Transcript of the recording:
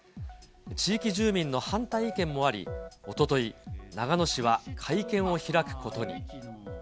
地域住民の反対意見もあり、おととい、長野市は会見を開くこ